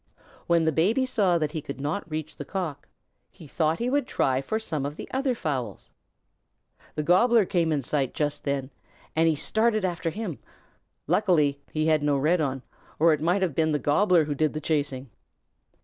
When the Baby saw that he could not reach the Cock, he thought he would try for some of the other fowls. The Gobbler came in sight just then and he started after him. Luckily he had no red on, or it might have been the Gobbler who did the chasing.